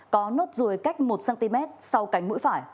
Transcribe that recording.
có nốt ruồi cách một cm sau cạnh